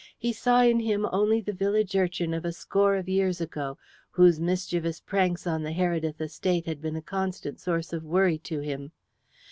He saw in him only the village urchin of a score of years ago, whose mischievous pranks on the Heredith estate had been a constant source of worry to him.